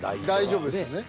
大丈夫ですよね。